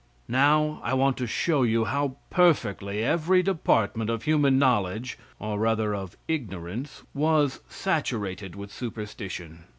Now, I want to show you how perfectly every department of human knowledge, or rather of ignorance, was saturated with superstition.